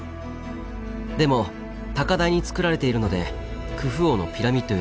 でも高台につくられているのでクフ王のピラミッドより少し大きく見えます。